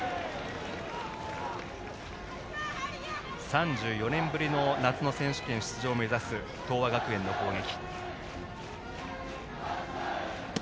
３４年ぶりの夏の選手権出場を目指す東亜学園の攻撃。